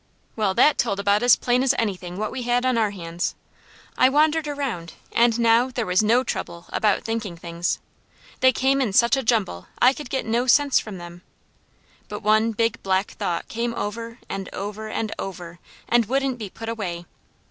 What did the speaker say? Well, THAT told about as plain as anything what we had on our hands. I wandered around and NOW there was no trouble about thinking things. They came in such a jumble I could get no sense from them; but one big black thought came over, and over, and over, and wouldn't be put away.